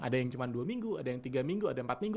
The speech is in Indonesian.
ada yang cuma dua minggu ada yang tiga minggu ada empat minggu